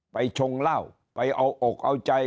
ชงเหล้าไปเอาอกเอาใจ